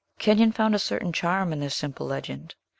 Kenyon found a certain charm in this simple legend.